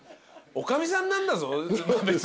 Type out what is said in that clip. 女将さんなんだぞ。